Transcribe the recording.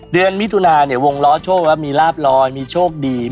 มิถุนาเนี่ยวงล้อโชคมีลาบลอยมีโชคดี